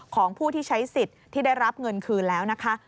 ของผู้ที่ใช้สิทธิ์ที่ได้รับเงินคืนแล้วนะคะ